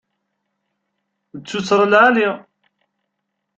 D tuttra lɛali.